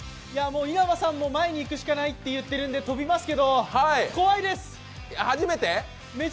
稲葉さんも「前に行くしかない」って言ってるんで跳びますけど初めて？